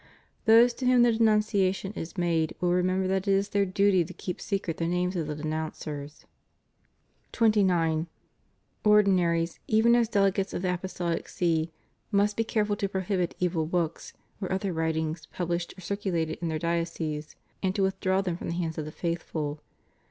Those to whom the denun ciation is made will remember that it is their duty to keep secret the names of the denouncers, 29. Ordinaries, even as delegates of the Apostolic See, must be careful to prohibit evil books or other writings published or circulated in their dioceses, and to with draw them from the hands of the faithful.